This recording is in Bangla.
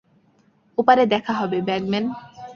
ওপারে দেখা হবে, ব্যাগম্যান।